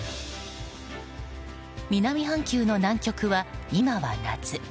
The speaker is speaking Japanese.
南半球の南極は今は夏。